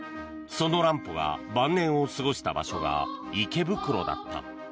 その乱歩が晩年を過ごした場所が池袋だった。